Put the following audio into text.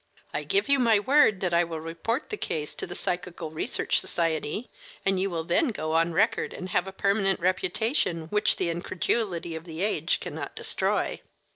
I give you my word that I will report the case to the Psychical Research Society, and you will then go on record and have a permanent reputation which the incredulity of the age cannot destroy."